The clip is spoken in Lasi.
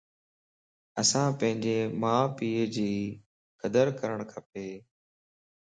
اسان پنجي مان پي جي قدر ڪرڻ کپَ